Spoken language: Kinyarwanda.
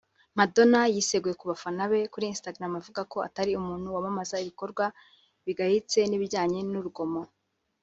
Madonna yiseguye ku bafana be kuri Instagram avuga ko atari umuntu wamamaza ibikorwa bigayitse n’ibijyanye n’urugomo